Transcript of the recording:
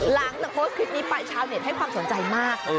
หลังจากโพสต์คลิปนี้ไปชาวเน็ตให้ความสนใจมาก